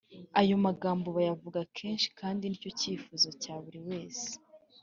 ayo Magambo bayavuga kenshi kandi ni cyo cyifuzo cya buri wese.